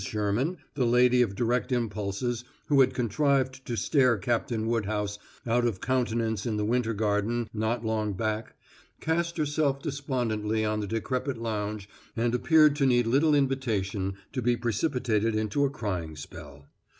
Sherman, the lady of direct impulses who had contrived to stare Captain Woodhouse out of countenance in the Winter Garden not long back, cast herself despondently on the decrepit lounge and appeared to need little invitation to be precipitated into a crying spell.